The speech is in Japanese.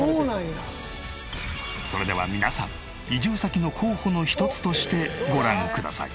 それでは皆さん移住先の候補の一つとしてご覧ください。